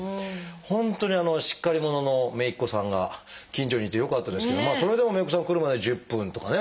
本当にしっかり者の姪っ子さんが近所にいてよかったですけどそれでも姪っ子さん来るまで１０分とかね